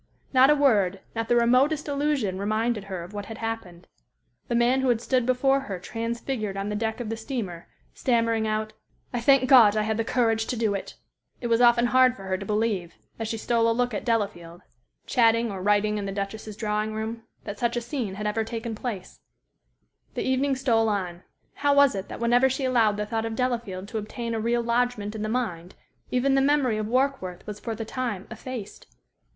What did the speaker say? Not a word, not the remotest allusion reminded her of what had happened. The man who had stood before her transfigured on the deck of the steamer, stammering out, "I thank God I had the courage to do it!" it was often hard for her to believe, as she stole a look at Delafield, chatting or writing in the Duchess's drawing room, that such a scene had ever taken place. The evening stole on. How was it that whenever she allowed the thought of Delafield to obtain a real lodgment in the mind, even the memory of Warkworth was for the time effaced?